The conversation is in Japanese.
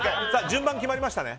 順番決まりましたね。